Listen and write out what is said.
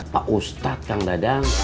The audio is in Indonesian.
pak ustadz kang dadang